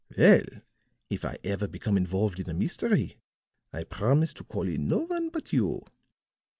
Well, if I ever become involved in a mystery, I promise to call in no one but you."